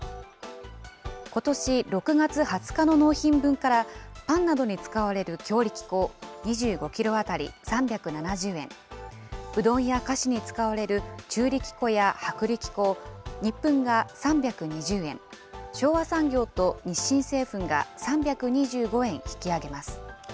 ことし６月２０日の納品分から、パンなどに使われる強力粉２５キロ当たり３７０円、うどんや菓子に使われる中力粉や薄力粉をニップンが３２０円、昭和産業と日清製粉が３２５円引き上げます。